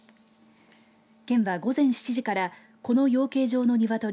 県は午前７時からこの養鶏場の鶏